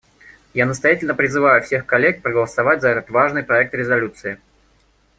Я настоятельно призываю всех коллег проголосовать за этот важный проект резолюции.